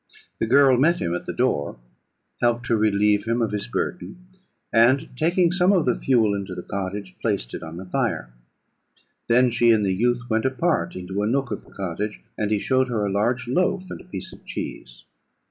The girl met him at the door, helped to relieve him of his burden, and, taking some of the fuel into the cottage, placed it on the fire; then she and the youth went apart into a nook of the cottage, and he showed her a large loaf and a piece of cheese.